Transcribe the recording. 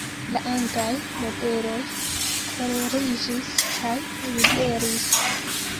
La anglaj nobeloj koleriĝis kaj ribelis.